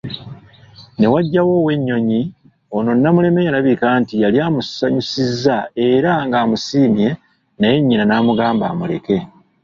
Newajjawo ow’enyonyi ono Namuleme yalabika nti yali amusanyusizza era ng’amusiimye naye nnyina namugamba amuleke.